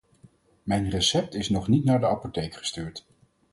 Mijn recept is nog niet naar de apotheek gestuurd.